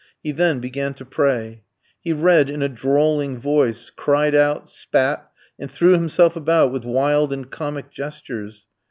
He then began to pray. He read in a drawling voice, cried out, spat, and threw himself about with wild and comic gestures.